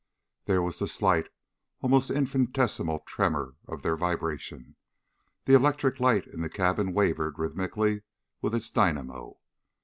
There was the slight, almost infinitesimal tremor of their vibration. The electric light in the cabin wavered rhythmically with its dynamo.